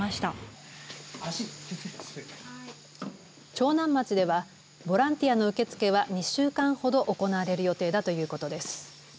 長南町ではボランティアの受け付けは２週間ほど行われる予定だということです。